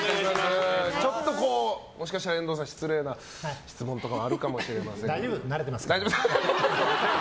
ちょっともしかしたら遠藤さん、失礼な質問とか大丈夫、慣れてますから。